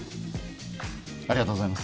ありがとうございます。